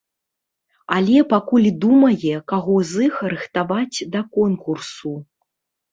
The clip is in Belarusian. Але пакуль думае, каго з іх рыхтаваць да конкурсу.